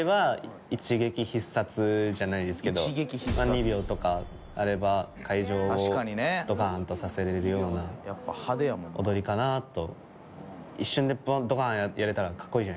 ２秒とかあれば会場をドカンとさせれるような踊りかなと。